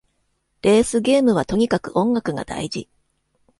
レースゲームはとにかく音楽が大事